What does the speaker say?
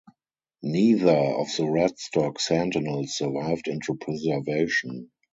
Neither of the Radstock Sentinels survived into preservation.